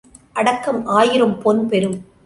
அடக்கம் ஆயிரம் பொன் பெறும்.